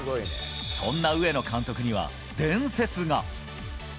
そんな上野監督には、伝説が。